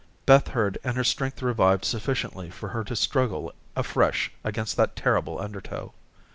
Beth heard and her strength revived sufficiently for her to struggle afresh against that terrible undertow.